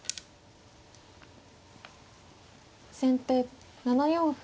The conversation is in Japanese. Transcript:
先手７四歩。